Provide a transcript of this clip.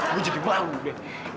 lu jadi malu deh